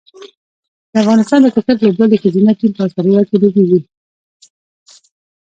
د افغانستان د کرکټ لوبډلې ښځینه ټیم په اسټرالیا کې لوبیږي